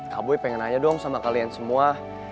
kak boy pengen nanya dong sama kalian semua